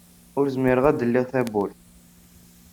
Ur zmireɣ ad d-lliɣ tawwurt.